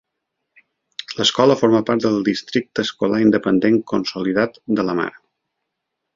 L'escola forma part del districte escolar independent consolidat de Lamar.